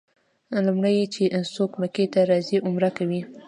لومړی چې څوک مکې ته راځي عمره کوي.